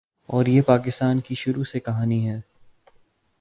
اور یہ پاکستان کی شروع سے کہانی ہے۔